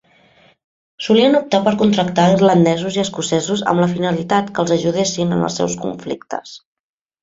Solien optar per contractar a irlandesos i escocesos amb la finalitat que els ajudessin en els seus conflictes.